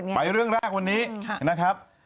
ไปเรื่องแรกวันนี้นะครับ